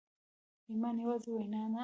ایمان یوازې وینا نه، عمل هم غواړي.